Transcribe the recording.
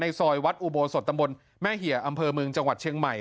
ซอยวัดอุโบสถตำบลแม่เหี่ยอำเภอเมืองจังหวัดเชียงใหม่